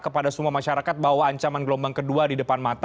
kepada semua masyarakat bahwa ancaman gelombang kedua di depan mata